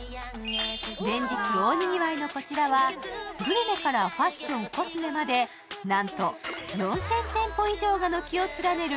連日大にぎわいのこちらはグルメからファッション、コスメまでなんと４０００店舗以上が軒を連ねる